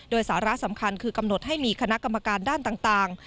โดยสาระสำคัญคือกำหนดให้มีคณะกรรมการด้านต่าง